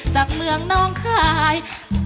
จากเมืองน้องคาย